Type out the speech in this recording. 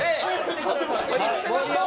ちょっと。